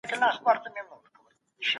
سیلانیان هېواد ته بهرني اسعار راوړي.